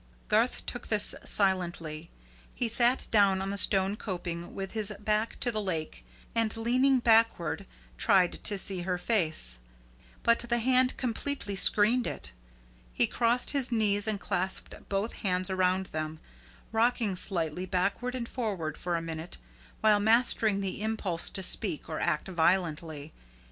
Garth took this silently. He sat down on the stone coping with his back to the lake and, leaning backward, tried to see her face; but the hand completely screened it. He crossed his knees and clasped both hands around them, rocking slightly backward and forward for a minute while mastering the impulse to speak or act violently.